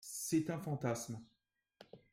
C’est un fantasme